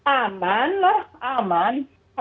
aman lah aman